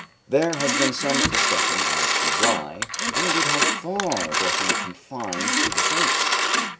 There has been some discussion as to why, and indeed how far, blushing is confined to the face.